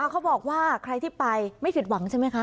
เขาบอกว่าใครที่ไปไม่ผิดหวังใช่ไหมคะ